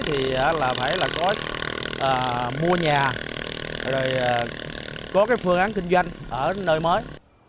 thì phải là có mua nhà có phương án kinh doanh ở nơi mới